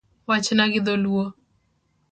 Wachna gi dholuo